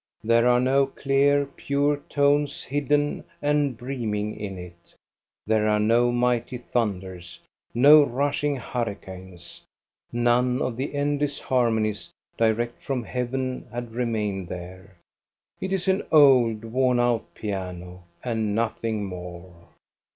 There are no clear, pure tones hidden and breaming in it; tb^re are no mighty tbu»der$, no MADAME MUSICA 313 rushing hurricanes. None of the endless harmonies direct from heaven had remained there. It is an old, worn out piano, and nothing more.